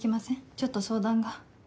ちょっと相談が。